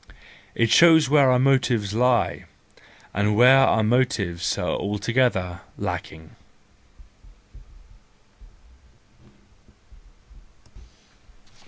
It shows where our motives lie, and where our motives are altogether lacking.